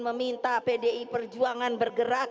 meminta pdi perjuangan bergerak